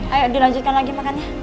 ayo dilanjutkan lagi makannya